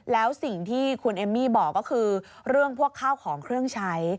แล้วสิ่งที่คุณเอมมี่บอกก็คือเรื่องพวกข้าวของเครื่องใช้